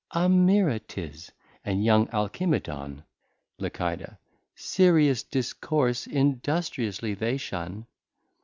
Amira 'tis and young Alcimedon. Lici. Serious Discourse industriously they shun.